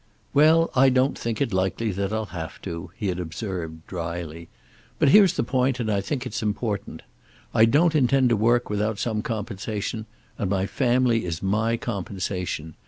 "Well, I don't think it likely that I'll have to," he had observed, dryly. "But here's the point, and I think it's important. I don't intend to work without some compensation, and my family is my compensation.